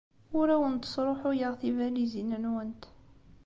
Ur awent-sṛuḥuyeɣ tibalizin-nwent.